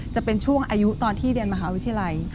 จะเป็นช่วงอายุตอนที่เรียนมหาวิทยาลัย